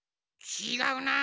ちがうな。